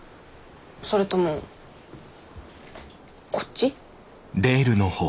それともこっち？